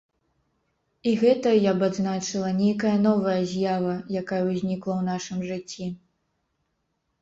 І гэта, я б адзначыла, нейкая новая з'ява, якая ўзнікла ў нашым жыцці.